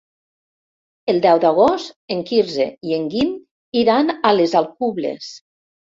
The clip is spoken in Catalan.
El deu d'agost en Quirze i en Guim iran a les Alcubles.